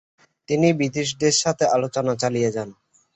তিনি ব্রিটিশদের সাথে আলোচনা চালিয়ে যান।